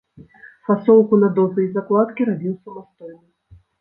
Фасоўку на дозы і закладкі рабіў самастойна.